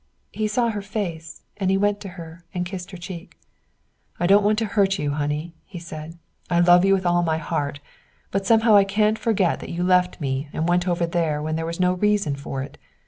He saw her face, and he went to her and kissed her cheek. "I don't want to hurt you, honey," he said. "I love you with all my heart. But somehow I can't forget that you left me and went over there when there was no reason for it.